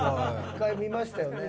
一回見ましたよね。